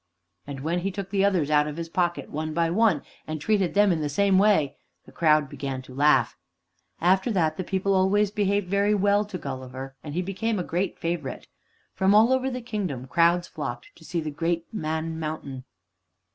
And when he took the others out of his pocket, one by one, and treated them in the same way, the crowd began to laugh. After that the people always behaved very well to Gulliver, and he became a great favorite. From all over the kingdom crowds flocked to see the Great Man Mountain.